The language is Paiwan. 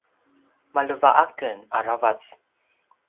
maleva aken aravac